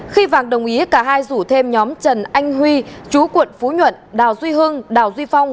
khi vàng đồng ý cả hai rủ thêm nhóm trần anh huy chú quận phú nhuận đào duy hưng đào duy phong